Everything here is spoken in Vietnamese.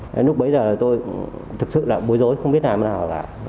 nên lúc bây giờ tôi thực sự là bối rối không biết làm sao